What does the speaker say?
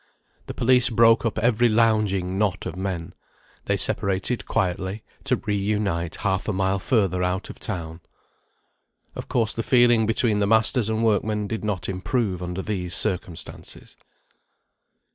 The police broke up every lounging knot of men: they separated quietly, to reunite half a mile further out of town. Of course the feeling between the masters and workmen did not improve under these circumstances.